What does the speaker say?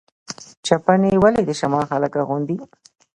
چپنې ولې د شمال خلک اغوندي؟